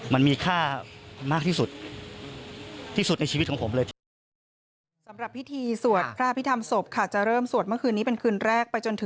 มันมีค่ามากที่สุดที่สุดในชีวิตของผมเลยทีเดียว